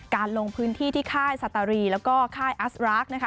ลงพื้นที่ที่ค่ายสตรีแล้วก็ค่ายอัสรากนะคะ